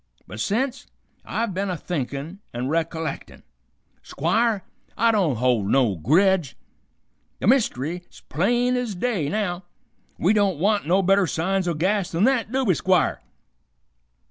But sence, I've been a thinkin' an' recollectin'. Squire, I don't hold no gredge. The myst'ry's plain ez day, now. We don't want no better signs o' gas th'n th't, do we, Squire?"